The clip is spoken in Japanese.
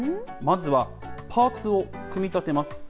まずはパーツを組み立てます。